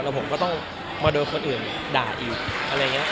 ผมก็ต้องมาโดนคนอื่นด่าอีกอะไรอย่างนี้